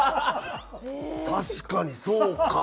確かにそうか。